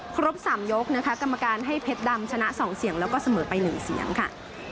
ครบ๓ยกนะคะกรรมการให้เพชรดำชนะ๒เสียงแล้วก็เสมอไป๑เสียงค่ะ